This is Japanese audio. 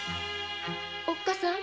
おっかさん！